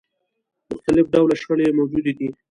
مختلف ډوله شخړې موجودې دي.